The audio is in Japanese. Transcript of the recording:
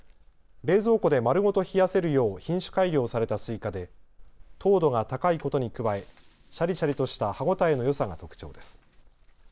冷蔵庫で丸ごと冷やせるよう品種改良されたすいかで糖度が高いことに加えしゃりしゃりとした歯応えのよさが特長です。